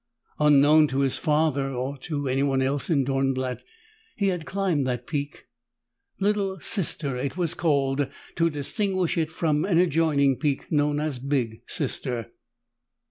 Unknown to his father, or to anyone else in Dornblatt, he had climbed that peak. Little Sister it was called, to distinguish it from an adjoining peak known as Big Sister.